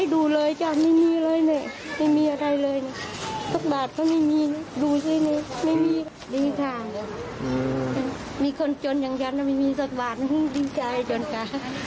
ดีค่ะมีคนจนอย่างฉันมีสัตว์หวัดดีใจจนค่ะ